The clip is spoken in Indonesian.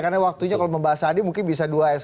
karena waktunya kalau membahas sandi mungkin bisa dua s